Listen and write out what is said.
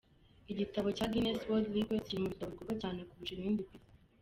Igitabo cya Guinness World Records kiri mu bitabo bigurwa cyane kurusha ibindi ku Isi.